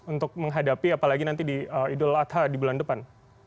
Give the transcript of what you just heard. untuk menghadapi apalagi nanti di idul adha di bulan depan